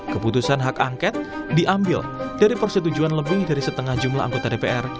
keputusan hak angket diambil dari persetujuan lebih dari setengah jumlah anggota dpr